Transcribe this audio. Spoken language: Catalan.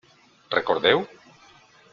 Recordeu?